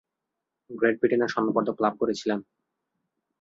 Great Britain স্বর্ণপদক লাভ করেছিল।